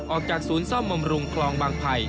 ออกจากศูนย์ซ่อมบำรุงคลองบางไผ่